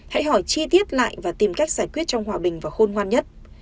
hãy hỏi chi tiết lại và tìm cách giải quyết trong hòa bình và khôn ngoan nhất